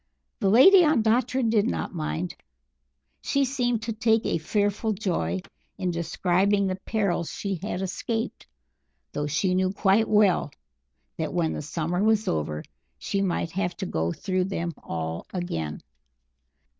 The Lady Ondatra did not mind. She seemed to take a fearful joy in describing the perils she had escaped, though she knew quite well that when the summer was over she might have to go through them all again.